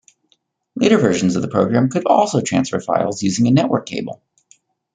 Later versions of the program could also transfer files using a network cable.